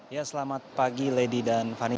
ya selamat pagi lady dan fani